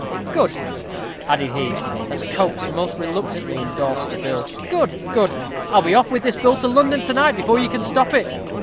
Good!" added he, as Coates most reluctantly indorsed the bill. "Good! good! I'll be off with this bill to London to night, before you can stop it.